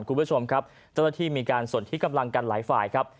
คุณผู้ชมครับเจ้าหน้าที่มีการสนที่กำลังกันหลายฝ่ายครับ